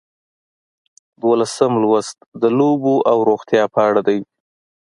دولسم لوست د لوبو او روغتیا په اړه دی.